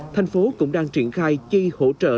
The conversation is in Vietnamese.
thành phố cũng đang triển khai chi hỗ trợ